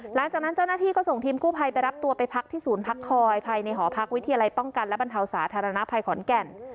หลังจากนั้นเจ้าหน้าที่ก็ส่งทีมกู้ภัยไปรับตัวไปพักที่ศูนย์พักคอยภายในหอพักวิทยาลัยป้องกันและบรรเทาสาธารณภัยขอนแก่น